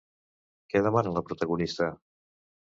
Què demana la protagonista?